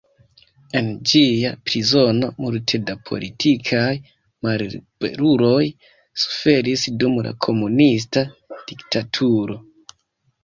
En ĝia prizono multe da politikaj malliberuloj suferis dum la komunista diktaturo.